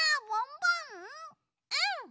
うん！